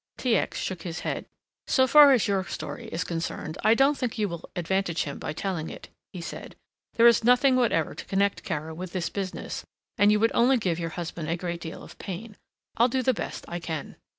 T. X. shook his head. "So far as your story is concerned, I don't think you will advantage him by telling it," he said. "There is nothing whatever to connect Kara with this business and you would only give your husband a great deal of pain. I'll do the best I can."